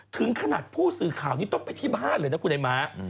ถึงขนาดผู้สื่อข่าวนี้ต้องไปที่บ้านเลยนะคุณไอ้ม้า